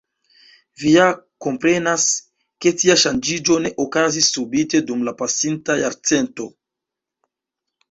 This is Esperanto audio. Vi ja komprenas, ke tia ŝanĝiĝo ne okazis subite dum la pasinta jarcento.